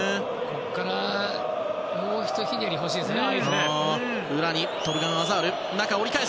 ここからもうひとひねり欲しいですね。